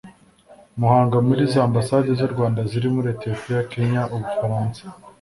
mahanga muri za ambasade z u Rwanda ziri muri Ethiopia Kenya Ubufaransa